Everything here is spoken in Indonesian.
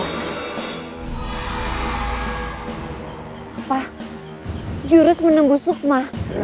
apa jurus menunggu sukma